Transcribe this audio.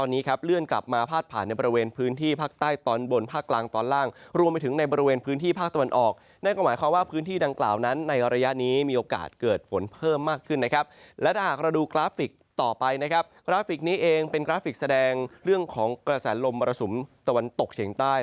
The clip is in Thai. นี่เองเป็นกราฟิกแสดงเรื่องของกระแสลมรมรสุมตะวันตกเฉียงใต้